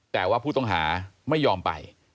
แต่ว่าผู้ต้องหาไม่ยอมไป